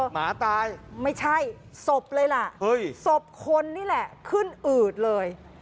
หมาตายไม่ใช่ศพเลยล่ะศพคนนี่แหละขึ้นอืดเลย